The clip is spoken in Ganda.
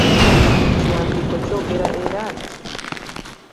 Ekiwandiiko kyongera era nti: